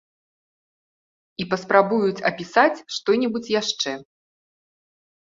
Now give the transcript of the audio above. І паспрабуюць апісаць што-небудзь яшчэ.